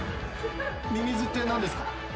ミミズって何ですか？